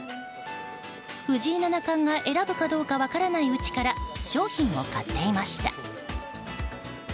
藤井七冠が選ぶかどうか分からないうちから商品を買っていました。